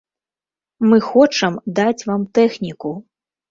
Мы хочам даць вам тэхніку!